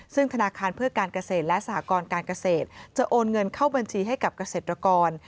ซึ่งธนาคารเพื่อการเกษตรและสหกรการเกษตรจะโอนเงินเข้าบัญชีให้กับเกษตรกร